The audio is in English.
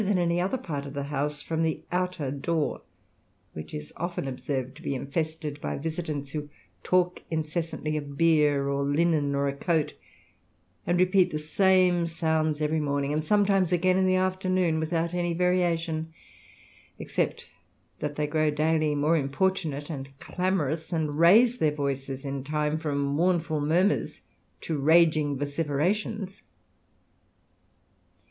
yi any other part of the house from the outer door, which is often observed to be infested by visitants, who talk incessantly of beer, or linen, or a coat, and repeat the same sounds every morning, and sometimes again in the after noon, without any variation, except that they grow daily more importunate and clamorous, and raise their voices in time from mournful murmurs to raging vociferations.